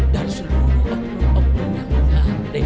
dari seluruh waktu waktu kita